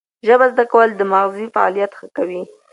ژبه زده کول د مغزي فعالیت ښه کوي.